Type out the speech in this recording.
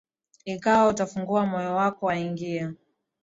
Ikawa utafungua moyo wako aingie.